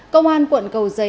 công an quận cầu giấy